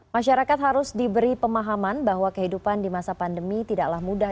masyarakat harus diberi pemahaman bahwa kehidupan di masa pandemi tidaklah mudah